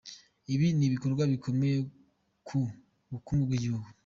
Ibi ni ibikorwa bikomeye ku bukungu bw’igihugu.